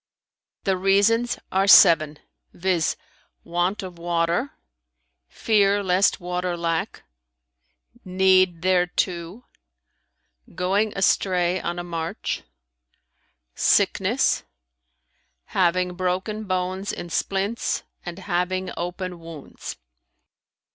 "The reasons are seven, viz.: want of water; fear lest water lack; need thereto; going astray on a march; sickness; having broken bones in splints and having open wounds.